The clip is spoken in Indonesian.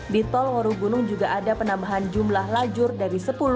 di tol warugunung juga ada penambahan jumlah lajur dari sepuluh